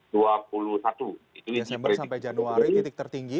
desember sampai januari titik tertinggi